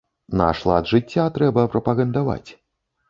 Наш лад жыцця трэба прапагандаваць.